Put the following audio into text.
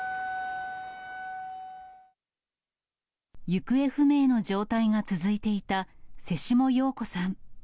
行方不明の状態が続いていた瀬下陽子さん。